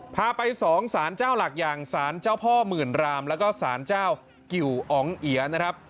พาไปสองสารเจ้าหลักอย่างสารเจ้าพ่อหมื่นรามแล้วก็สารเจ้ากิวอ๋องเอียนะครับ